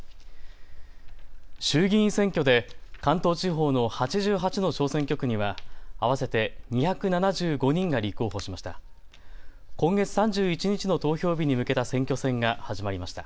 衆議院選挙で関東地方の８８の小選挙区には合わせて２７５人が立候補しました。